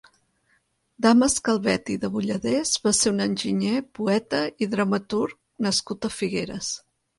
Damas Calvet i de Budallès va ser un enginyer, poeta i dramaturg nascut a Figueres.